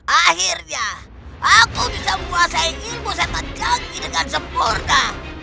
akhirnya aku bisa memuasai ilmu setan janggit dengan sempurna